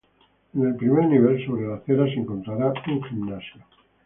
En el primer nivel sobre la acera, se encontrará un gimnasio.